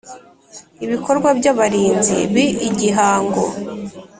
Ibikorwa by Abarinzi b Igihango